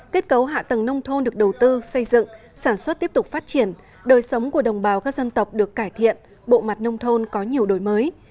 kết cấu hạ tầng nông thôn được đầu tư xây dựng sản xuất tiếp tục phát triển đời sống của đồng bào các dân tộc được cải thiện bộ mặt nông thôn có nhiều đổi mới